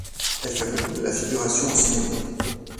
Elle fait beaucoup de la figuration au cinéma.